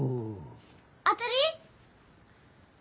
当たり？